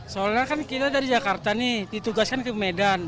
soalnya kan kita dari jakarta nih ditugaskan